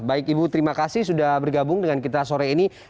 baik ibu terima kasih sudah bergabung dengan kita sore ini